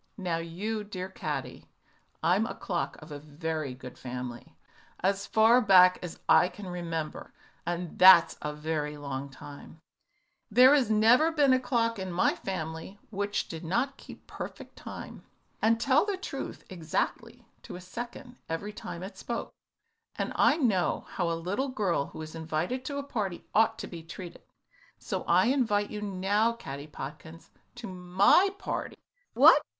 "Now, you dear little Caddy, I'm a clock of a very good family. As far back as I can remember and that's a very long time there has never been a clock in my family which did not keep perfect time, and tell the truth exactly to a second every time it spoke, and I know how a little girl who is invited to a party ought to be treated, so I invite you now, Caddy Podkins, to my party." "What!